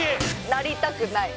なりたくない。